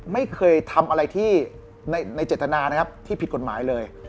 ไม่เคยทำอะไรที่ในเจตนานะครับที่ผิดกฎหมายเลย